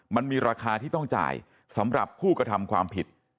มันมีราคาที่ต้องจ่ายสำหรับผู้กระทำความผิด